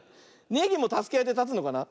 ネギもたすけあいでたつのかな。